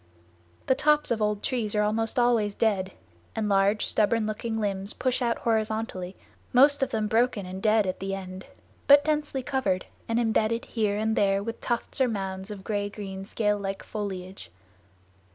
The tops of old trees are almost always dead, and large stubborn looking limbs push out horizontally, most of them broken and dead at the end, but densely covered, and imbedded here and there with tufts or mounds of gray green scalelike foliage.